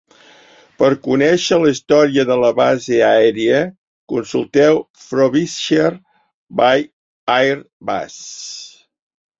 Per conèixer la història de la base aèria, consulteu Frobisher Bay Air Base.